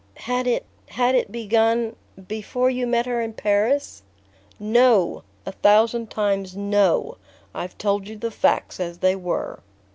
"Had it ... had it begun ... before you met her in Paris?" "No; a thousand times no! I've told you the facts as they were."